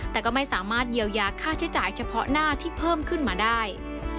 แต่ก็ไม่สามารถเยียวยาค่าใช้จ่ายเฉพาะหน้าที่เพิ่มขึ้นมาได้